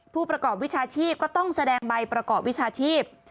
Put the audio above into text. ผู้ประกอบวิชาชีพก็ต้องแสดงใบประกอบวิชาชีพ